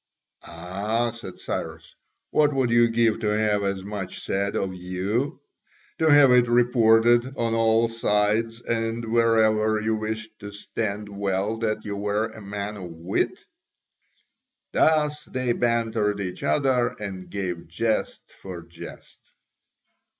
"Ah," said Cyrus, "what would you give to have as much said of you? To have it reported on all sides and wherever you wished to stand well that you were a man of wit?" Thus they bantered each other and gave jest for jest.